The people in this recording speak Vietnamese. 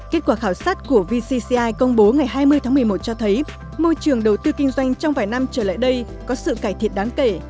kết quả khảo sát của vcci công bố ngày hai mươi tháng một mươi một cho thấy môi trường đầu tư kinh doanh trong vài năm trở lại đây có sự cải thiện đáng kể